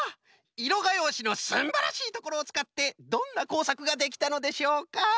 いろがようしのすんばらしいところをつかってどんなこうさくができたのでしょうか？